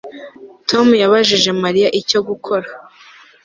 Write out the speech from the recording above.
Tom yabajije Mariya icyo gukora